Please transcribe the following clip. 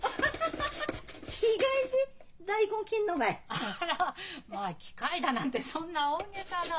あらまあ機械だなんてそんな大げさな。